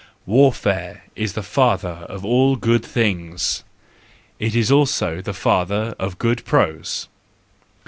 Warfare is the father of all good things , it is also the father of good prose!